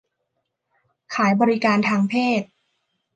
ขายบริการทางเพศ